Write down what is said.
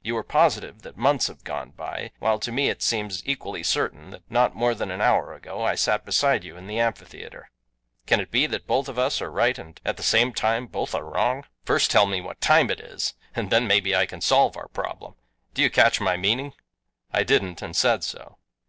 You are positive that months have gone by, while to me it seems equally certain that not more than an hour ago I sat beside you in the amphitheater. Can it be that both of us are right and at the same time both are wrong? First tell me what time is, and then maybe I can solve our problem. Do you catch my meaning?" I didn't and said so.